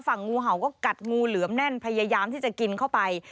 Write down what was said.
งูเห่าก็กัดงูเหลือมแน่นพยายามที่จะกินเข้าไป